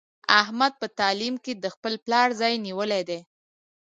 احمد په تعلیم کې د خپل پلار ځای نیولی دی.